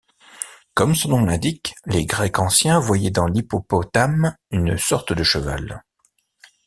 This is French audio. Comme son nom l'indique, les Grecs anciens voyaient dans l'hippopotame une sorte de cheval.